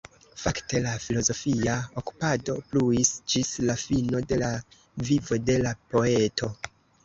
Fakte la filozofia okupado pluis ĝis la fino de la vivo de la poeto.